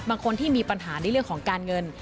บางคนที่มีปัญหาในเรื่องของการเงิน